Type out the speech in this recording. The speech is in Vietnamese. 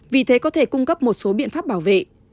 vì thế có thể cung cấp một số biện pháp bảo vệ